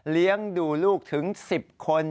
เลี้ยงดูลูกถึง๑๐คน